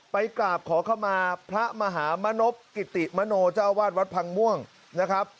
ไปกราบขอเข้ามาพระมหามนพกิติมโนเจ้าวาดวัดพังม่วงนะครับ